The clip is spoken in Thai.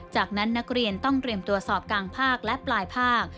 จากนั้นนักเรียนต้องเตรียมตรวจสอบกลางภาคและปลายภาค